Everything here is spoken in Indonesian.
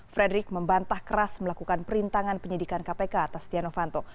frederick membantah keras melakukan perintangan penyidikan kpk atas setia novanto